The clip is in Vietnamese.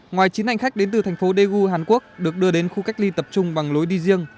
ngoài chín hành khách đến từ thành phố daegu hàn quốc được đưa đến khu cách ly tập trung bằng lối đi riêng